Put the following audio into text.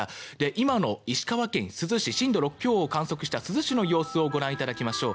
今の石川県珠洲市震度６強を観測した珠洲市の様子をご覧いただきましょう。